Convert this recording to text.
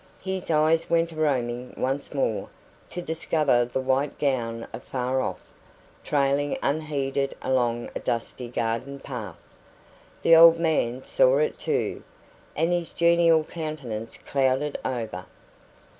His eyes went a roaming once more, to discover the white gown afar off, trailing unheeded along a dusty garden path. The old man saw it too, and his genial countenance clouded over.